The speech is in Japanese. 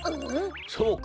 そうか！